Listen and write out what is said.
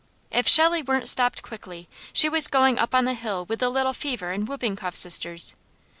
If Shelley weren't stopped quickly she was going up on the hill with the little fever and whooping cough sisters.